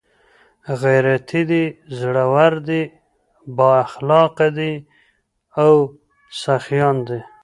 ، غيرتي دي، زړور دي، بااخلاقه دي او سخيان دي